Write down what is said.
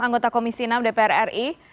anggota komisi enam dpr ri